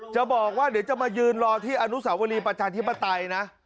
จะบอกว่าเดี๋ยวจะมายืนรอที่อนุสาวรีประชาธิปไตยนะ